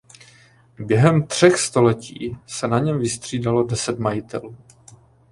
Během třech století se na něm vystřídalo deset majitelů.